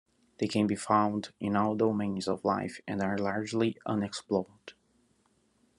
They can be found in all domains of life and are largely unexplored.